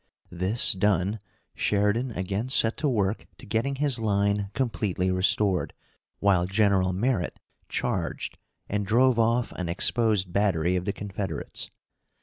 This done, Sheridan again set to work to getting his line completely restored, while General Merritt charged and drove off an exposed battery of the Confederates.